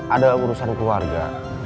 ada urusan keluarga